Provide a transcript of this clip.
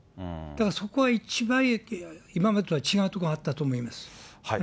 だからそこは一番今までとは違うところがあったと思います。